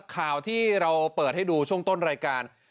ข่าวที่เราเปิดให้ดูช่วงต้นรายการ